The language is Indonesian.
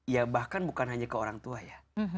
ya bahkan bukan hanya ke orang tua ya